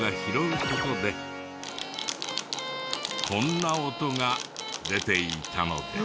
こんな音が出ていたのです。